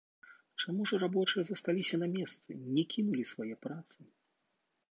Чаму ж рабочыя засталіся на месцы, не кінулі свае працы?